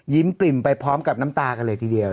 ปริ่มไปพร้อมกับน้ำตากันเลยทีเดียว